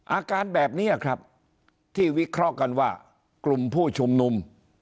อาการแบบนี้ครับที่วิเคราะห์กันว่ากลุ่มผู้ชุมนุม